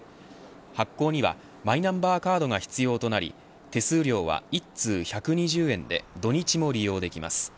発行にはマイナンバーカードが必要となり手数料は１通１２０円で土日も利用できます。